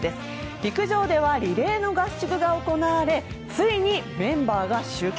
陸上ではリレーの合宿が行われついにメンバーが集結。